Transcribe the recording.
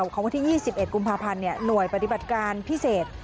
ของวันที่๒๑กุมภาพันธ์หน่วยปฏิบัติการพิเศษ